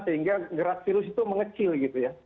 sehingga gerak virus itu mengecil gitu ya